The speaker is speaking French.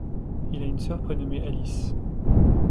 Il a une sœur prénommée Alice.